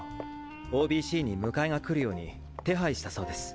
ＯＢＣに迎えが来るように手配したそうです。